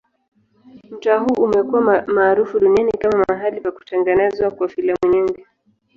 Mtaa huu umekuwa maarufu duniani kama mahali pa kutengenezwa kwa filamu nyingi.